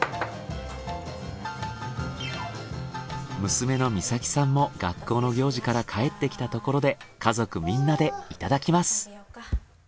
娘の実咲さんも学校の行事から帰ってきたところで家族みんなでいただきます。